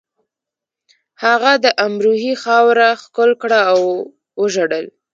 هغه د امروهې خاوره ښکل کړه او وژړل